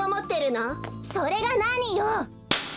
それがなによ！